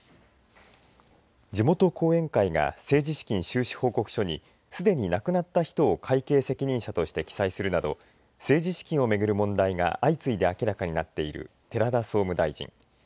地元後援会が政治資金収支報告書にすでに亡くなった人を会計責任者として記載するなど政治資金を巡る問題が相次いで明らかになっている寺田総務大臣。